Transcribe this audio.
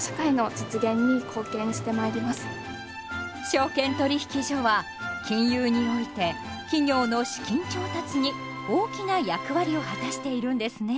証券取引所は金融において企業の資金調達に大きな役割を果たしているんですね。